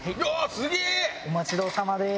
お待ちどおさまです。